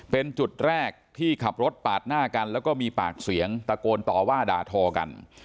เป็นจุดแรกที่ขับรถปาดหน้ากันแล้วก็มีปากเสียงตะโกนต่อว่าด่าทอกัน